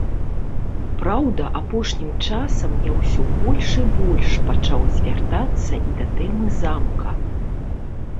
Праўда, апошнім часам я ўсё больш і больш пачаў звяртацца і да тэмы замка.